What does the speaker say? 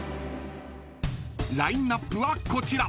［ラインアップはこちら］